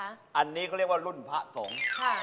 อันนี้เขาเรียกว่ารุ่นพระสงฆ์